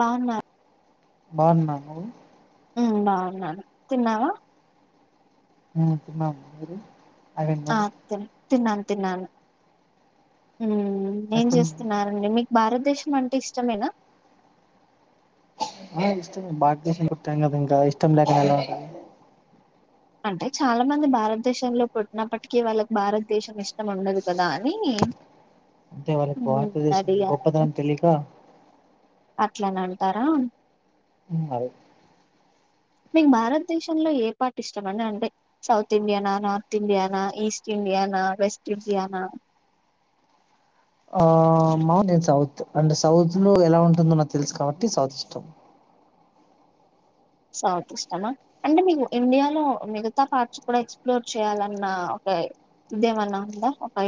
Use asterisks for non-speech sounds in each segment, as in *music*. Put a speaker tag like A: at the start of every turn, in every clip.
A: బాగున్నా
B: బాగున్నా నువ్వు
A: ఉ బాగున్నాను తిన్నావా
B: ఉ తిన్నాను మీరు అదే
A: ఆ
B: నువ్వు
A: త తిన్నాను, తిన్నాను ఉ ఏం
B: ఎక్కడున్నావు
A: చేస్తున్నారండి మీకు భారతదేశం అంటే ఇష్టమేనా,
B: అ ఇష్టంమె భారతదేశంలో పుట్టాం కదా ఇంకా ఇష్టం లేక ఎలా ఉంటామండీ,
A: అంటే చాలా మంది భారతదేశంలో పుట్టినప్పటికీ వాళ్ళకి భారతదేశం ఇష్టం ఉండదు కదా అని
B: అంటే వాళ్ళకి
A: ఉమ్
B: భారతదేశం గొప్పదనం తెలియక
A: అట్లనే అంటారా,
B: ఉ అది
A: *unintelligible* మీకు భారతదేశంలో ఏ పాట్ ఇష్టం అండి అంటే సౌత్ ఇండియానా, నార్త్ ఇండియానా ఈస్ట్ ఇండియా, వెస్ట్ ఇండియానా
B: ఆ మా నేను సౌత్ అంటే సౌత్ లో ఎలా ఉంటుందో నాకు తెలుసు కాబట్టి సౌత్ ఇష్టం
A: సౌత్ ఈస్ట్ అమ్మా అంటే మీకు ఇండియాలో మిగతా పార్ట్స్ కూడా ఎక్స్ప్లోర్ చేయాలన్న, ఇంకా ఎమనా ఉంద,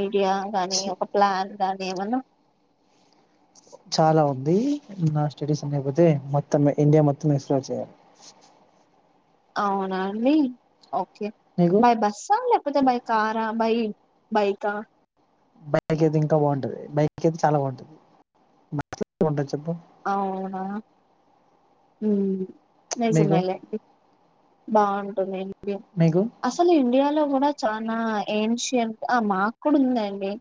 A: ఇండియా కానీ
B: చ-
A: ఒక ప్లాన్ గాని ఏమన్నా,
B: చాలా ఉంది నా స్టడీస్ అనేకపోతే మొత్తం ఇండియా మొత్తం ఎక్స్ప్లోర్ చేయాలి.
A: అవునండి ఓకే
B: నీకు
A: బాయ్ బస్ చాల ఎపోతే బై కారా బై బైకా
B: బైక్ అయితే ఇంకా బాగుంటది బైక్ అయితే చాలా బాగుంటది ఉంటంది చెప్పు
A: అవునా ఉ
B: మీకు
A: నేసున్నాయి లే బాగుంటుంది ఇండియా
B: మీకు
A: అసలు ఇండియాలో కూడా చాలా ఏంషన్ మాక్క ఉందండి.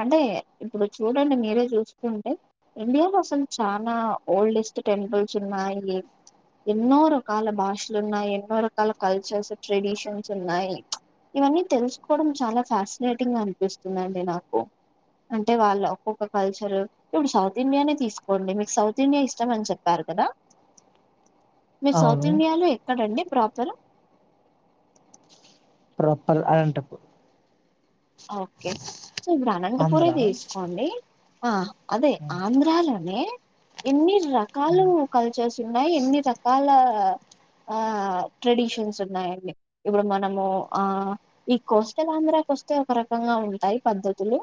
A: అంటే ఇప్పుడు చూడండి మీరే చూస్తుంటే ఇండియా కోసం చనా ఓల్డెస్ట్ టెంపుల్స్ ఉన్నాయి. ఎన్నో రకాల భాషలు ఉన్నాయి. ఎన్నో రకాల కల్చర్స్ ట్రెడిషన్స్ ఉన్నాయి. ఇవన్నీ తెలుసుకోవడం చాలా ఫ్యాసినేటింగ్ అనిపిస్తుందండి నాకు అంటే వాళ్ళు ఒక్కొక్క కల్చర్ ఇప్పుడు సౌత్ ఇండియానే తీసుకు, కొండి మీకు సౌత్ ఇండియా ఇష్టం అని చెప్పారు కదా, మీరు సౌత్
B: అవును
A: ఇండియాలో ఎక్కడండి proper
B: proper Anantapur
A: okay so ఇప్పుడు అనంతపూర
B: ఆంధ్ర
A: తీసుకోండి ఆ అదే
B: ఉమ్,
A: ఆంధ్రాలోనే ఎన్ని రకాలు
B: ఉమ్.
A: కల్చర్స్ న్నా ఎన్ని రకాల ఆ ట్రెడిషన్స్ ఉన్నాయండి, ఇప్పుడు మనము ఆ ఈ కోస్టల్ ఆంధ్రాకు వస్త ఒక రకంగా ఉంటాయి పద్ధతులు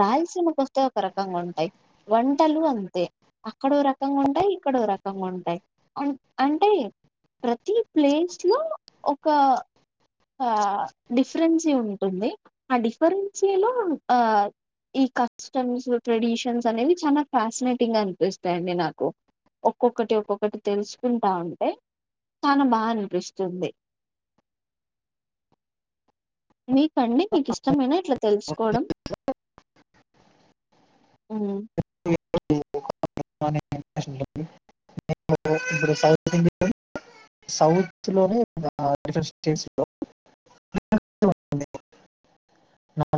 A: రాయలసీమకి వస్తే ఒక రకంగా ఉంటాయి. వంటలు అంతే అక్కడ ఒక రకంగా ఉంటాయి ఇక్కడ ఎ రకంగా ఉంటాయి అంటే ప్రతి ప్లేస్ లో ఒక ఆ డిఫరెన్సీ ఉంటుంది, ఆ డిఫరెన్సీలో ఆ ఈ కస్టమ్స్ ట్రెడిషన్స్ అనేవి చాలా ఫ్యాసినేటింగ్ అనిపిస్తాయండి, నాకు ఒక్కొక్కటి ఒక్కొక్కటి తెలుసుకుంటా ఉంటే చానా బాగా అనిపిస్తుఉంటాయి, మీకండి మీకు ఇష్టమైన ఇట్లా తెలుసుకోవడం, ఉ
B: *unintelligible* సౌత్ లోనే డిఫరెంట్ స్టేట్స్ లో నౌ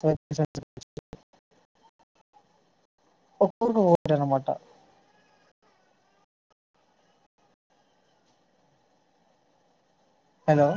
B: కూల్
A: అ
B: ఒక్కడు ఓట అనమాట హలో